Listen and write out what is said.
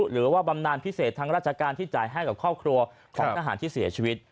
บำนานพิเศษทางราชการที่จ่ายให้กับครอบครัวของทหารที่เสียชีวิต